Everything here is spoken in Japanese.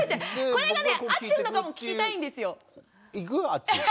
これがね合ってるのかも聞きたいんですよ。